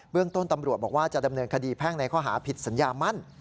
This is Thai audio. เรื่องต้นตำรวจบอกว่าจะดำเนินคดีแพ่งในข้อหาผิดสัญญามั่น